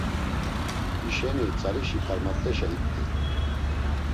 Hişeni tzarişi karmat̆eşa it̆ey.